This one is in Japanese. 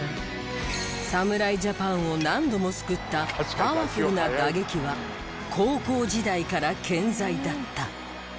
侍ジャパンを何度も救ったパワフルな打撃は高校時代から健在だった。